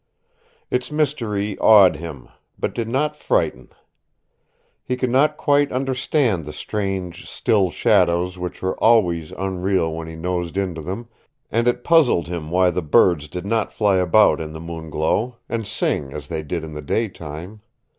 Its mystery awed him, but did not frighten. He could not quite understand the strange, still shadows which were always unreal when he nosed into them, and it puzzled him why the birds did not fly about in the moon glow, and sing as they did in the day time.